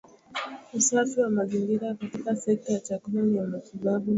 Usafi wa mazingira katika sekta ya chakula ni ya matibabu ya kutosha